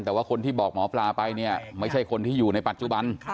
แต่ว่าคนที่บอกหมอปลาไปเนี่ยไม่ใช่คนที่อยู่ในปัจจุบัน